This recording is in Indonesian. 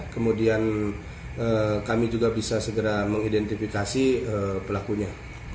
kemudian kami juga bisa segera mengidentifikasi pelakunya